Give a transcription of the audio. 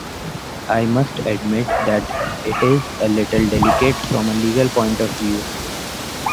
I must admit that it is a little delicate from a legal point of view.